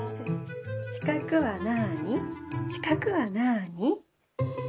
「しかくはなあにしかくはなあに」。